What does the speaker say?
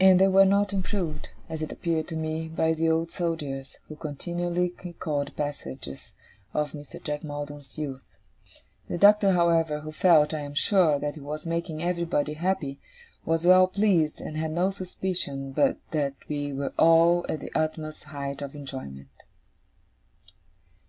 And they were not improved, as it appeared to me, by the Old Soldier: who continually recalled passages of Mr. Jack Maldon's youth. The Doctor, however, who felt, I am sure, that he was making everybody happy, was well pleased, and had no suspicion but that we were all at the utmost height of enjoyment.